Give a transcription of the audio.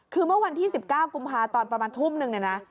คือเมื่อวันที่๑๙กุมภาตอนประมาณทุ่มนึงเนี่ยนะ